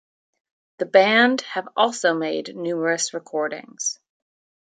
The band have also made numerous recordings.